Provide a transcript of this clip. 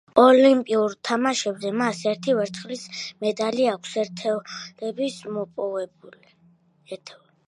ოლიმპიურ თამაშებზე, მას ერთი ვერცხლის მედალი აქვს ერთეულებში მოპოვებული.